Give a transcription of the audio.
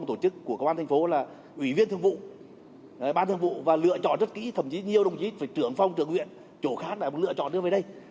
thậm chí nhiều đồng chí phải trưởng phong trưởng huyện chỗ khác là lựa chọn đưa về đây